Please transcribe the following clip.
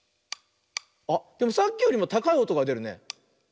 あっでもさっきよりもたかいおとがでるね。